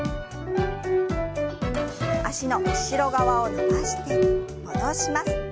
脚の後ろ側を伸ばして戻します。